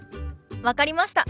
分かりました。